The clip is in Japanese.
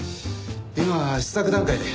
今は試作段階で。